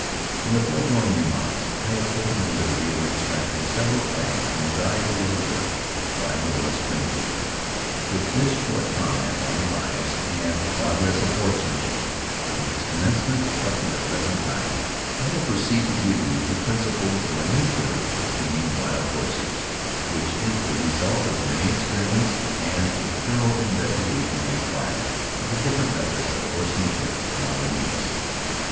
In the forgoing remarks I have taken the liberty of extracting several facts from a valuable little work by Rolla Springfield. With this short comment on the rise and progress of horsemanship, from its commencement up to the present time, I will proceed to give you the principles of a new theory of taming wild horses, which is the result of many experiments and a thorough investigation and trial of the different methods of horsemanship now in use.